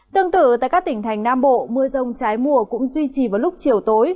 tương tự tại các tỉnh thành nam bộ mưa rông trái mùa cũng duy trì vào lúc chiều tối